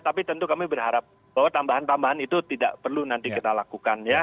tapi tentu kami berharap bahwa tambahan tambahan itu tidak perlu nanti kita lakukan ya